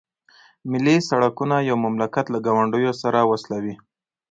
ملي سرکونه یو مملکت له ګاونډیو سره وصلوي